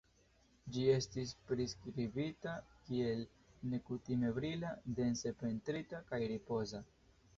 Ĝi estis priskribita kiel "nekutime brila, dense pentrita, kaj ripoza".